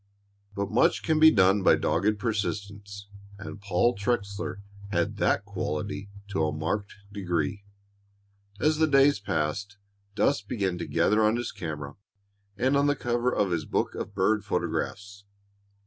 But much can be done by dogged persistence, and Paul Trexler had that quality to a marked degree. As the days passed, dust began to gather on his camera and on the cover of his book of bird photographs.